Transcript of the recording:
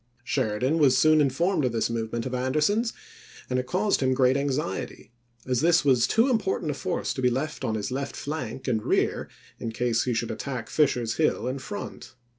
Sheridan was soon in formed of this movement of Anderson's, and it caused him great anxiety, as this was too impor tant a force to be left on his left flank and rear in case he should attack Fisher's Hill in front.